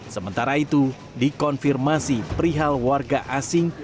sementara itu dikonfirmasi perihal warga asing